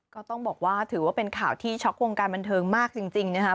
ก็ต้องบอกว่าถือว่าเป็นข่าวที่ช็อกวงการบันเทิงมากจริงนะครับ